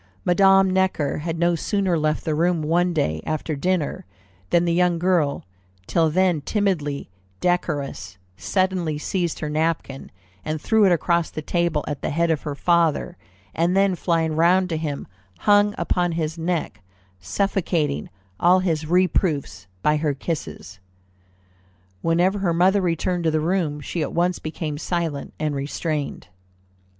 Madame Necker had no sooner left the room one day, after dinner, than the young girl, till then timidly decorous, suddenly seized her napkin, and threw it across the table at the head of her father, and then flying round to him, hung upon his neck, suffocating all his reproofs by her kisses." Whenever her mother returned to the room, she at once became silent and restrained.